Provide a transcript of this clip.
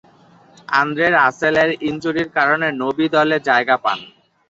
Andre Russell এর ইনজুরির কারণে নবী দলে জায়গা পান।